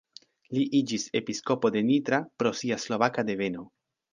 Li iĝis episkopo de Nitra pro sia slovaka deveno.